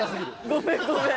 ごめんごめん。